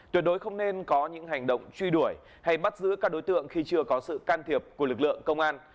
tuyệt đối không nên có những hành động truy đuổi hay bắt giữ các đối tượng khi chưa có sự can thiệp của lực lượng công an